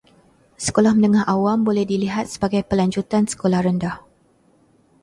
Sekolah menengah awam boleh dilihat sebagai pelanjutan sekolah rendah.